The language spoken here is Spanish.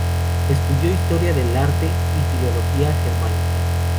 Estudió historia del arte y filología germánica.